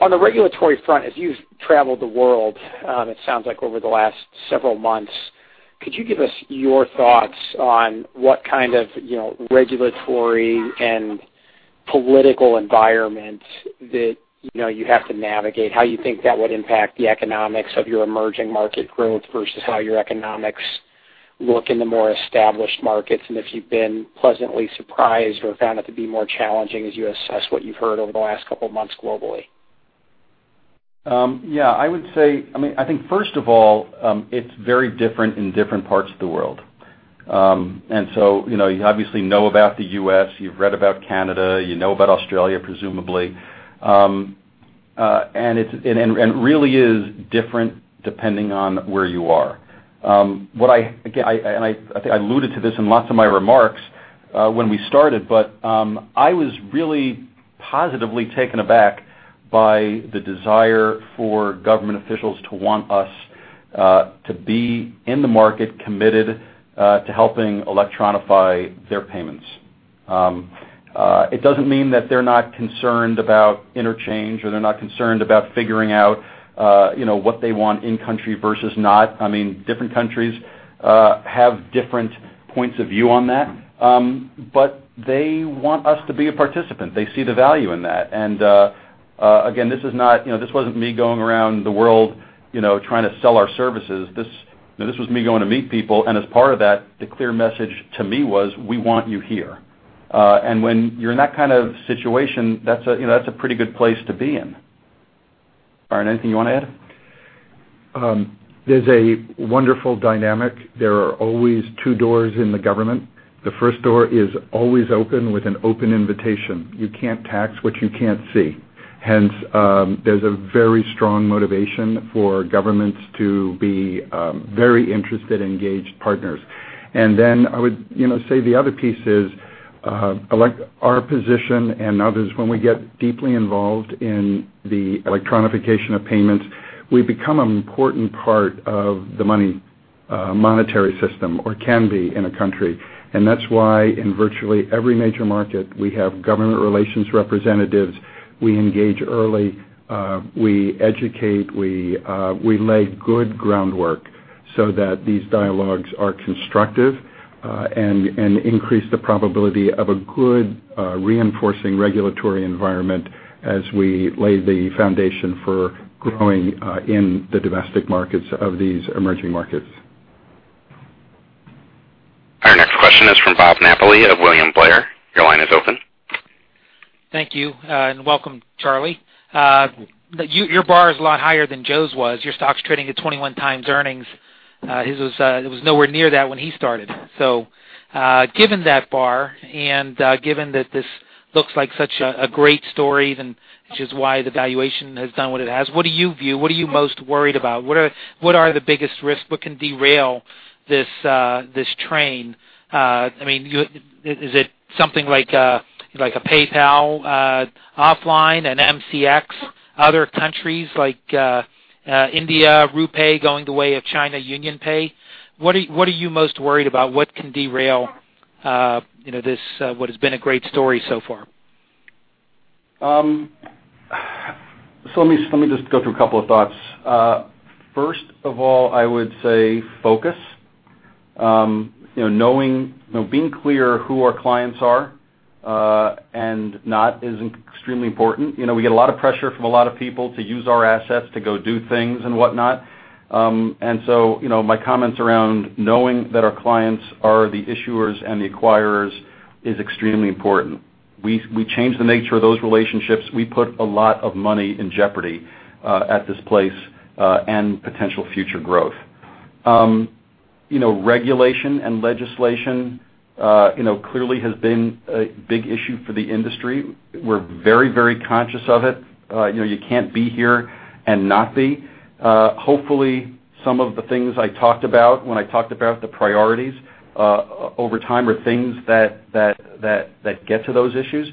On the regulatory front, as you've traveled the world, it sounds like over the last several months, could you give us your thoughts on what kind of regulatory and political environment that you have to navigate? How you think that would impact the economics of your emerging market growth versus how your economics look in the more established markets, and if you've been pleasantly surprised or found it to be more challenging as you assess what you've heard over the last couple of months globally? I think, first of all, it's very different in different parts of the world. You obviously know about the U.S., you've read about Canada, you know about Australia presumably. It really is different depending on where you are. I think I alluded to this in lots of my remarks when we started, but I was really positively taken aback by the desire for government officials to want us to be in the market, committed to helping electronify their payments. It doesn't mean that they're not concerned about interchange, or they're not concerned about figuring out what they want in country versus not. Different countries have different points of view on that. They want us to be a participant. They see the value in that. Again, this wasn't me going around the world trying to sell our services. This was me going to meet people, and as part of that, the clear message to me was, "We want you here." When you're in that kind of situation, that's a pretty good place to be in. Byron, anything you want to add? There's a wonderful dynamic. There are always two doors in the government. The first door is always open with an open invitation. You can't tax what you can't see. Hence, there's a very strong motivation for governments to be very interested, engaged partners. I would say the other piece is our position and others when we get deeply involved in the electronification of payments, we become an important part of the monetary system or can be in a country. That's why in virtually every major market, we have government relations representatives. We engage early. We educate. We lay good groundwork so that these dialogues are constructive, and increase the probability of a good reinforcing regulatory environment as we lay the foundation for growing in the domestic markets of these emerging markets. Our next question is from Bob Napoli of William Blair. Your line is open. Thank you. Welcome, Charlie. Your bar is a lot higher than Joe's was. Your stock's trading at 21 times earnings. His was nowhere near that when he started. Given that bar and given that this looks like such a great story, which is why the valuation has done what it has, what do you view, what are you most worried about? What are the biggest risks? What can derail this train? Is it something like a PayPal offline, an MCX, other countries like India RuPay going the way of China UnionPay? What are you most worried about? What can derail what has been a great story so far? Let me just go through a couple of thoughts. First of all, I would say focus. Being clear who our clients are and not is extremely important. We get a lot of pressure from a lot of people to use our assets to go do things and whatnot. My comments around knowing that our clients are the issuers and the acquirers is extremely important. We change the nature of those relationships. We put a lot of money in jeopardy at this place and potential future growth. Regulation and legislation clearly has been a big issue for the industry. We're very conscious of it. You can't be here and not be. Hopefully, some of the things I talked about when I talked about the priorities over time are things that get to those issues.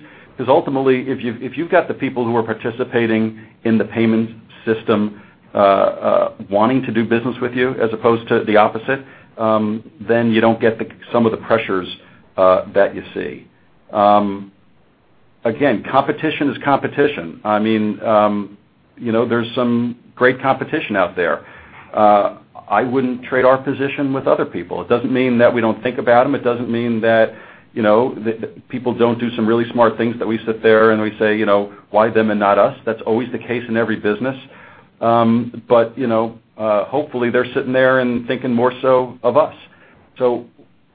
Ultimately, if you've got the people who are participating in the payments system wanting to do business with you as opposed to the opposite, then you don't get some of the pressures that you see. Again, competition is competition. There's some great competition out there. I wouldn't trade our position with other people. It doesn't mean that we don't think about them. It doesn't mean that people don't do some really smart things that we sit there and we say, "Why them and not us?" That's always the case in every business. Hopefully they're sitting there and thinking more so of us.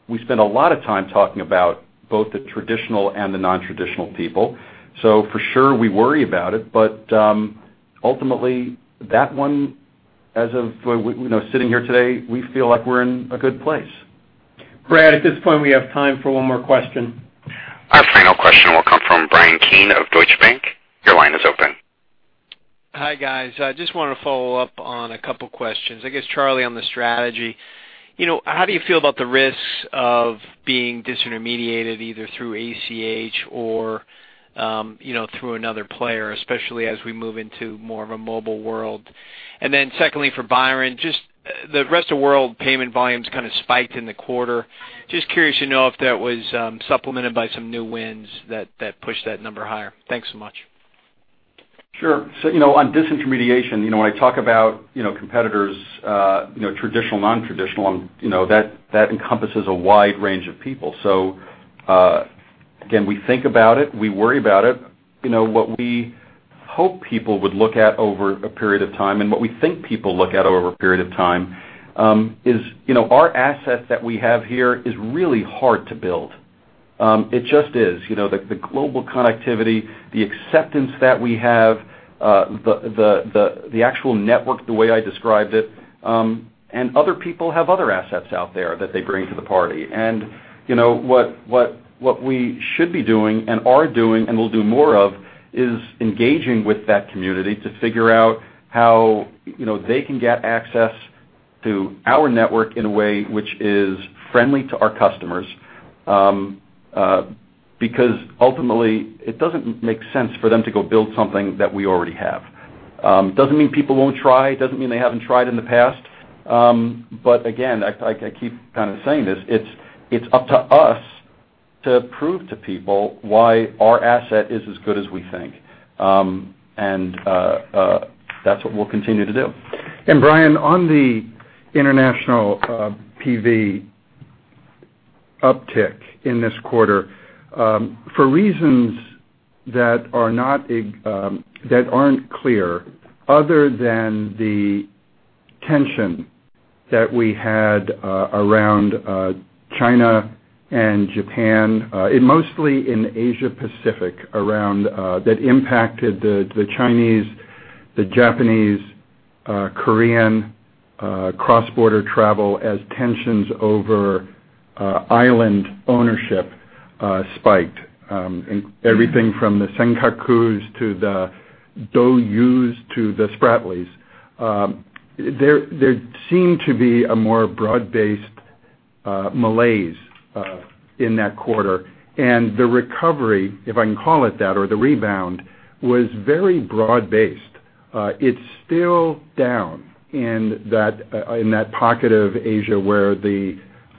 We spend a lot of time talking about both the traditional and the non-traditional people. For sure, we worry about it, but ultimately that one, as of sitting here today, we feel like we're in a good place. Brad, at this point, we have time for one more question. Our final question will come from Bryan Keane of Deutsche Bank. Your line is open. Hi, guys. I just want to follow up on a couple questions. I guess, Charlie, on the strategy. How do you feel about the risks of being disintermediated either through ACH or through another player, especially as we move into more of a mobile world? Secondly, for Byron, just the rest of world payment volumes kind of spiked in the quarter. Just curious to know if that was supplemented by some new wins that pushed that number higher. Thanks so much. Sure. On disintermediation, when I talk about competitors, traditional, non-traditional, that encompasses a wide range of people. Again, we think about it, we worry about it. We hope people would look at over a period of time, and what we think people look at over a period of time, is our asset that we have here is really hard to build. It just is. The global connectivity, the acceptance that we have, the actual network, the way I described it, and other people have other assets out there that they bring to the party. What we should be doing and are doing and will do more of, is engaging with that community to figure out how they can get access to our network in a way which is friendly to our customers. Ultimately, it doesn't make sense for them to go build something that we already have. Doesn't mean people won't try, doesn't mean they haven't tried in the past. Again, I keep saying this. It's up to us to prove to people why our asset is as good as we think. That's what we'll continue to do. Bryan, on the international PV uptick in this quarter, for reasons that aren't clear, other than the tension that we had around China and Japan, mostly in Asia Pacific, that impacted the Chinese, the Japanese, Korean cross-border travel as tensions over island ownership spiked. Everything from the Senkakus to the Diaoyus to the Spratlys. There seemed to be a more broad-based malaise in that quarter. The recovery, if I can call it that, or the rebound, was very broad-based. It's still down in that pocket of Asia where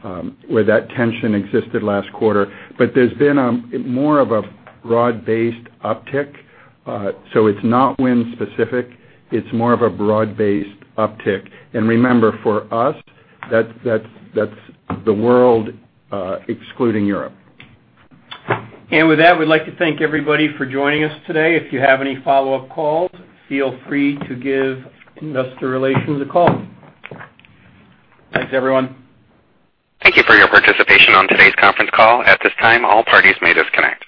that tension existed last quarter. There's been more of a broad-based uptick. It's not wind specific. It's more of a broad-based uptick. Remember, for us, that's the world excluding Europe. With that, we'd like to thank everybody for joining us today. If you have any follow-up calls, feel free to give investor relations a call. Thanks, everyone. Thank you for your participation on today's conference call. At this time, all parties may disconnect.